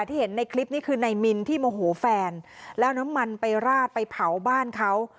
เห็นในคลิปนี้คือนายมินที่โมโหแฟนแล้วน้ำมันไปราดไปเผาบ้านเขา